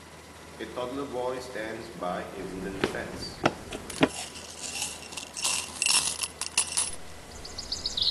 A toddler boy stands by a wooden fence.